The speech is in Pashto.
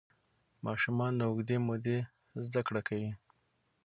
ماشومان له اوږدې مودې زده کړه کوي.